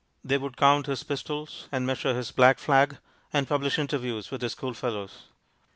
They would count his pistols, and measure his black flag, and publish interviews with his school fellows.